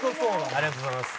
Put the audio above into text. ありがとうございます。